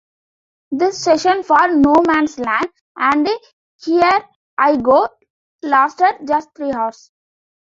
This session for "No Man's Land" and "Here I Go" lasted just three hours.